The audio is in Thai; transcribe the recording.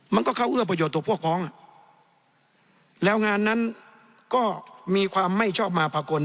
มันก็เข้าเอื้อประโยชนต่อพวกพ้องแล้วงานนั้นก็มีความไม่ชอบมาภากล